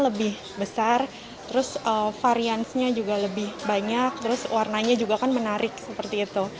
lebih besar terus variannya juga lebih banyak terus warnanya juga kan menarik seperti itu